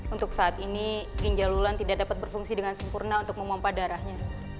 untuk saat ini ginja lulan tidak dapat berfungsi dengan sempurna untuk memompah darahnya